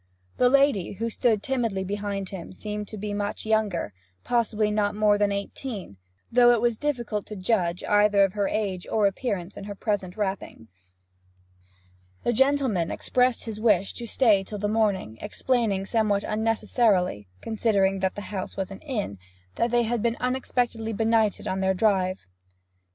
The lady, who stood timidly behind him, seemed to be much younger possibly not more than eighteen, though it was difficult to judge either of her age or appearance in her present wrappings. The gentleman expressed his wish to stay till the morning, explaining somewhat unnecessarily, considering that the house was an inn, that they had been unexpectedly benighted on their drive.